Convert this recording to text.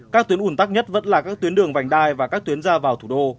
các tuyến ủn tắc nhất vẫn là các tuyến đường vành đai và các tuyến ra vào thủ đô